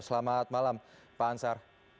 selamat malam pak ansar